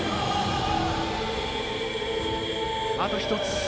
あと１つ。